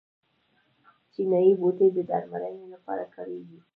چینايي بوټي د درملنې لپاره کاریږي.